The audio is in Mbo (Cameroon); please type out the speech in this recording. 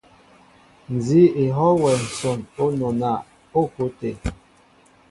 Nzi éhoo wɛ a nson o nɔna o ko té.